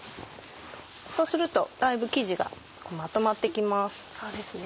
そうするとだいぶ生地がまとまって来ます。